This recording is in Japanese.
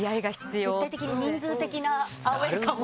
絶対的に人数的なアウェー感も。